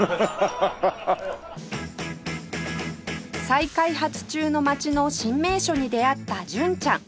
再開発中の街の新名所に出会った純ちゃん